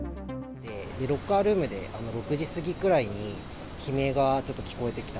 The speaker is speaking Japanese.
ロッカールームで６時過ぎくらいに悲鳴がちょっと聞こえてきた。